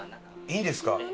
いいんですか？